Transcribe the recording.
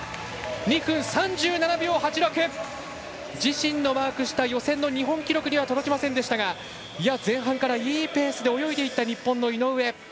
自身がマークした日本記録には届きませんでしたが前半からいいペースで泳いでいった日本の井上。